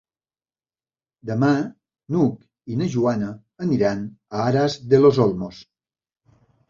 Demà n'Hug i na Joana aniran a Aras de los Olmos.